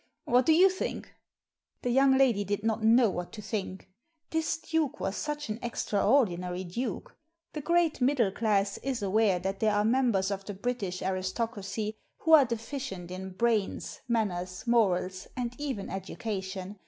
What do you think ?" The young lady did not know what to think This duke was such an extraordinary duke. The great middle class is aware that there are membeis of the British aristocracy who are deficient in brains; manners, morals, and even education.